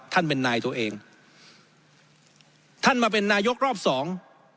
ท่านเป็นนายตัวเองท่านมาเป็นนายกรอบสอง